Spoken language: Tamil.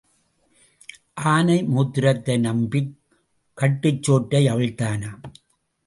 ஆனை மூத்திரத்தை நம்பிக் கட்டுச் சோற்றை அவிழ்த்தானாம்.